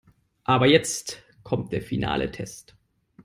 Aber jetzt kommt der finale Test.